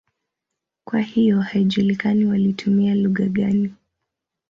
Kwa hiyo haijulikani walitumia lugha gani.